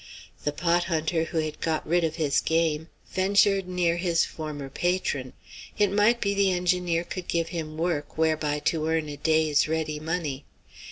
The pot hunter, who had got rid of his game, ventured near his former patron. It might be the engineer could give him work whereby to earn a day's ready money.